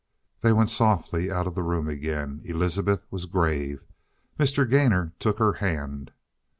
They went softly out of the room again. Elizabeth was grave. Mr. Gainor took her hand.